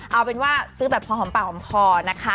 เอาเป็นว่าซื้อแบบพอหอมปากหอมคอนะคะ